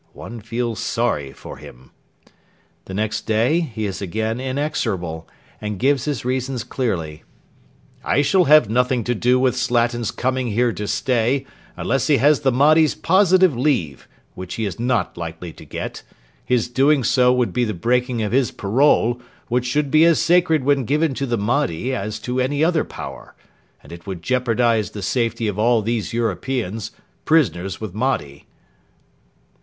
one feels sorry for him.' The next day he is again inexorable, and gives his reasons clearly. 'I shall have nothing to do with Slatin's coming here to stay, unless he has the Mahdi's positive leave, which he is not likely to get; his doing so would be the breaking of his parole which should be as sacred when given to the Mahdi as to any other power, and it would jeopardise the safety of all these Europeans, prisoners with Mahdi.'